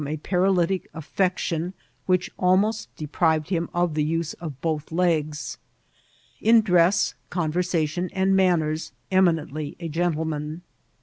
a paralytic affecticm, which almost deprived him of the use of both legs ; in dress, conversation, and manners, eminently a gentleman.